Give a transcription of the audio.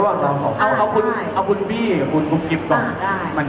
๐๒๑๑ร้านอันนี้เอาคุณพี่กับคุณกุ๊บกิ๊บก่อน